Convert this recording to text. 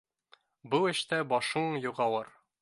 Был эштә башың юғалыр